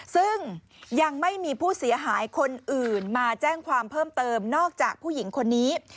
ซึ่งยังไม่มีผู้เสียหายคนอื่นมาแจ้งความเพิ่มเติมนอกจากผู้หญิงคนนี้